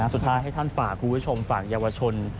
สุดท้ายให้ท่านฝากคุณผู้ชมฝากเยาวชน